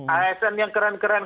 asn yang keren keren